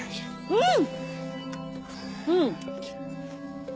うん？